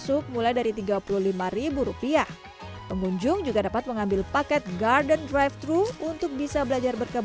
oke oke tanam lagi pak